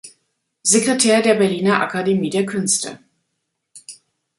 Sekretär der Berliner Akademie der Künste.